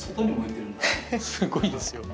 すごいですよ。